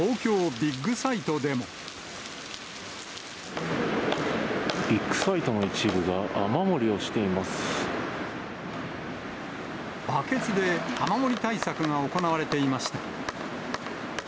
ビッグサイトの一部が、バケツで雨漏り対策が行われていました。